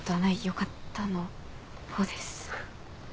よかった」の「ほっ」です。